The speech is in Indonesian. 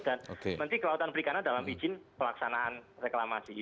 dan menteri kelautan perikanan dalam izin pelaksanaan reklamasi